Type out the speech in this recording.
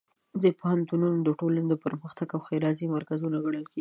پوهنتونونه د ټولنې د پرمختګ او ښېرازۍ مرکزونه ګڼل کېږي.